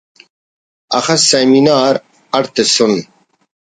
اخس سیمینار اڈ تسن